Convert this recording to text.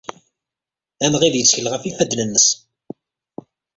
Amɣid yettkel ɣef yifadden-nnes.